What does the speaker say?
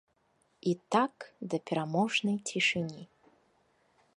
І так да пераможнай цішыні.